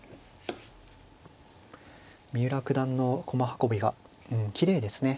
三浦九段の駒運びがきれいですね。